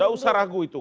tidak usah ragu itu